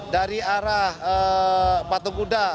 dari arah patung guda